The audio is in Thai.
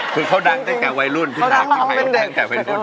คือเขาดังจากแก่วัยรุ่นพี่น้ำพี่ไข่เขาดังจากแก่วัยรุ่น